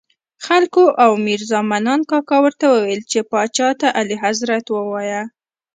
خلکو او میرزا منان کاکا ورته ویل چې پاچا ته اعلیحضرت ووایه.